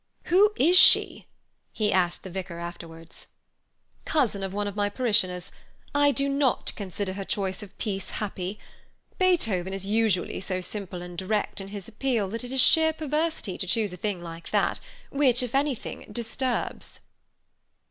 "Who is she?" he asked the vicar afterwards. "Cousin of one of my parishioners. I do not consider her choice of a piece happy. Beethoven is so usually simple and direct in his appeal that it is sheer perversity to choose a thing like that, which, if anything, disturbs."